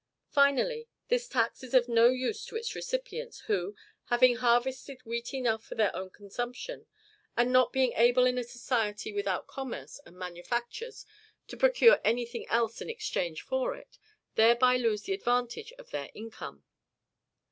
Finally, this tax is of no use to its recipients who, having harvested wheat enough for their own consumption, and not being able in a society without commerce and manufactures to procure any thing else in exchange for it, thereby lose the advantage of their income.